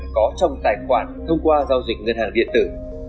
có trong tài khoản thông qua giao dịch ngân hàng điện tử